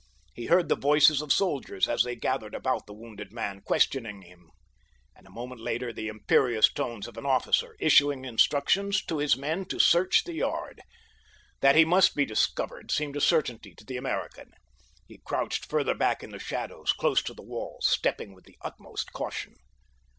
He heard the voices of soldiers as they gathered about the wounded man, questioning him, and a moment later the imperious tones of an officer issuing instructions to his men to search the yard. That he must be discovered seemed a certainty to the American. He crouched further back in the shadows close to the wall, stepping with the utmost caution.